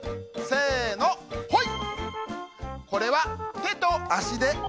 せのほい！